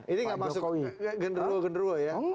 ini gak masuk genduruhu ya